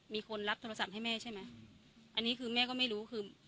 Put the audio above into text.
มีคนรับโทรศัพท์ให้แม่ใช่ไหมอันนี้คือแม่ก็ไม่รู้คือ